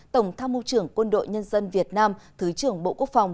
tổng tham mưu trưởng quân đội nhân dân việt nam thứ trưởng bộ quốc phòng